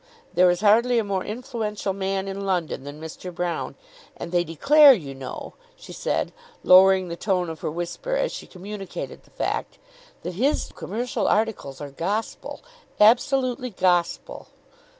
There is hardly a more influential man in London than Mr. Broune. And they declare, you know," she said, lowering the tone of her whisper as she communicated the fact, "that his commercial articles are gospel, absolutely gospel."